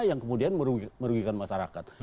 yang kemudian merugikan masyarakat